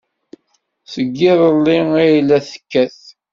Seg yiḍelli ay la tekkat.